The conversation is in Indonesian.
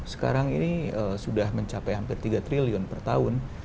sekarang ini sudah mencapai hampir tiga triliun per tahun